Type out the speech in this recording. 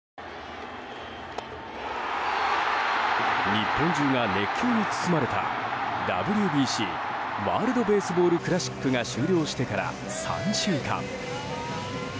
日本中が熱狂に包まれたＷＢＣ・ワールド・ベースボール・クラシックが終了してから３週間。